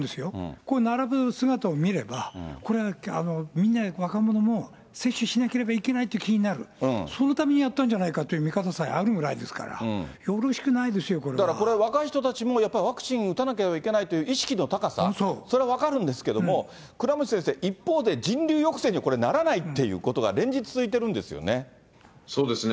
こういう並ぶ姿を見れば、これは、みんな、若者も接種しなければいけないって気になる、そのためにやったんじゃないかという見方さえあるぐらいですから、だから、これ、若い人たちもやっぱりワクチン打たなければいけないという意識の高さ、それは分かるんですけども、倉持先生、一方で、人流抑制には、これ、ならないっていうことが、連日続いているんそうですね。